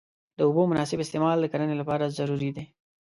د اوبو مناسب استعمال د کرنې لپاره ضروري دی.